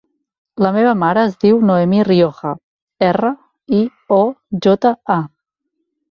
La meva mare es diu Noemí Rioja: erra, i, o, jota, a.